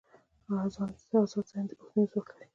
ازاد ذهن د پوښتنې ځواک لري.